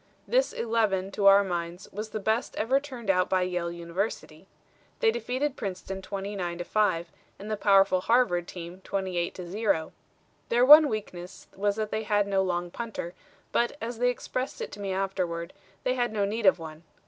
This eleven, to our minds, was the best ever turned out by Yale University. They defeated Princeton 29 to 5, and the powerful Harvard team 28 to 0. Their one weakness was that they had no long punter, but, as they expressed it to me afterward, they had no need of one.